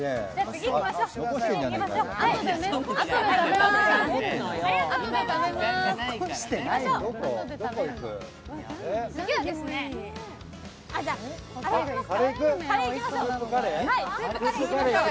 次に行きましょう。